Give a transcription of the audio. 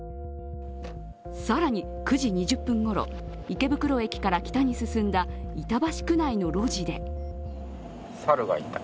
更に、９時２０分ごろ、池袋駅から北に進んだ板橋区内の路地で。